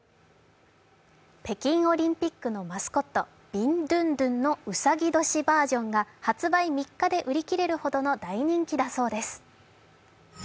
北京オリンピックのマスコット、ビンドゥンドゥンのうさぎ年バージョンが発売３日で売り切れるほどの大人気だそうです。